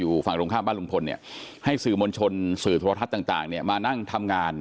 ฝั่งตรงข้ามบ้านลุงพลเนี่ยให้สื่อมวลชนสื่อโทรทัศน์ต่างเนี่ยมานั่งทำงาน